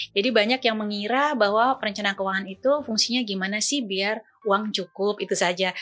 jadi banyak yang mengira bahwa perencanaan keuangan itu fungsinya bagaimana sih biar uang cukup itu saja